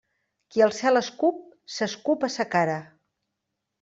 Qui al cel escup s'escup a sa cara.